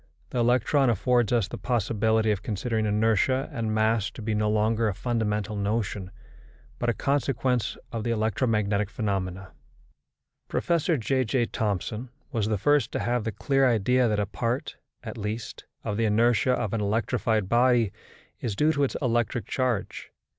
The electron affords us the possibility of considering inertia and mass to be no longer a fundamental notion, but a consequence of the electromagnetic phenomena. Professor J.J. Thomson was the first to have the clear idea that a part, at least, of the inertia of an electrified body is due to its electric charge.